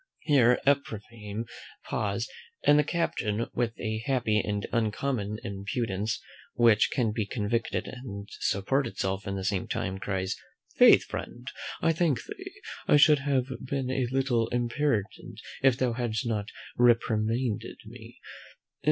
Here Ephraim paused, and the captain with a happy and uncommon impudence (which can be convicted and support itself at the same time) cries, "Faith, friend, I thank thee; I should have been a little impertinent if thou hadst not reprimanded me.